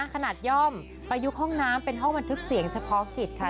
ย่อมประยุกต์ห้องน้ำเป็นห้องบันทึกเสียงเฉพาะกิจค่ะ